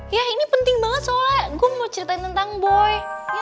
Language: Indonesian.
ya ini penting banget soalnya gue mau ceritain tentang boy